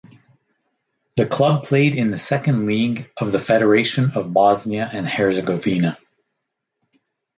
The club played in the Second League of the Federation of Bosnia and Herzegovina.